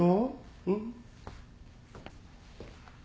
うん。